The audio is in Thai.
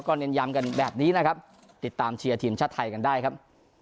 เน้นย้ำกันแบบนี้นะครับติดตามเชียร์ทีมชาติไทยกันได้ครับ